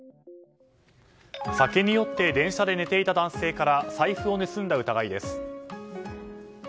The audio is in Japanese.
酒に酔って電車で寝ていた男性から財布を盗んだ疑いです。